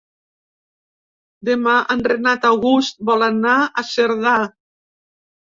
Demà en Renat August vol anar a Cerdà.